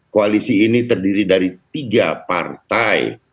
koalisi ini terdiri dari tiga partai